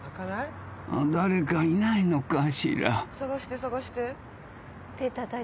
「誰かいないのかしら」